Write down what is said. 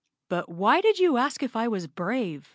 "But why did you ask if I was brave?"